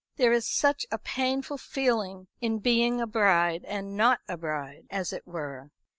There is such a painful feeling in being a bride and not a bride, as it were.